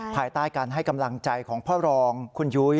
ภายใต้การให้กำลังใจของพ่อรองคุณยุ้ย